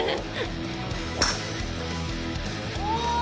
お！